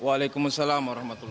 waalaikumsalam wr wb